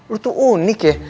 lo tuh unik ya